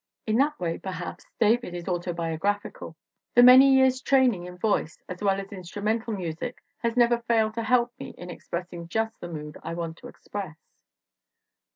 ... In that way, per haps, David is autobiographical. ... The many years' training in voice as well as instrumental music has never failed to help me in expressing just the mood I want to express."